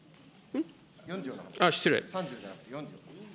失礼。